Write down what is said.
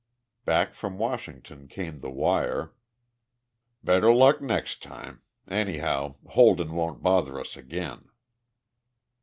Back from Washington came the wire: Better luck next time. Anyhow, Holden won't bother us again.